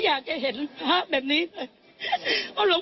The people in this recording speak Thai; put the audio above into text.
ห้อใช่ไหม